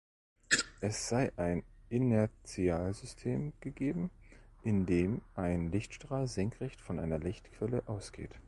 Es sei ein Inertialsystem gegeben, in dem ein Lichtstrahl senkrecht von einer Lichtquelle ausgeht.